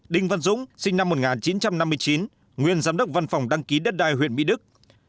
một mươi hai đinh văn dũng sinh năm một nghìn chín trăm năm mươi chín nguyên giám đốc văn phòng đăng ký đất đai huyện mỹ đức